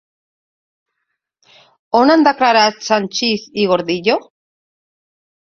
On han declarat Sanchis i Gordillo?